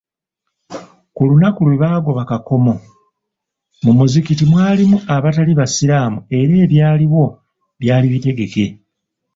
Ku lunaku lwe baagoba Kakomo, mu muzikiti mwalimu abatali basiraamu era ebyaliwo byali bitegeke.